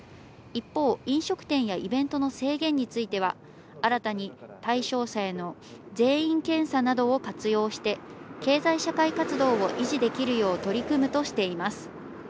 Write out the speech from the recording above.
一方、飲食店やイベントの制限については、新たに対象者への全員検査などを活用して経済社会活動を維持できるよう取り組むとしています。